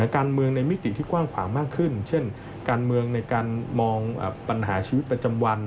การเมืองในมิติที่กว้างขวางมากขึ้นเช่นการเมืองในการมองปัญหาชีวิตประจำวัน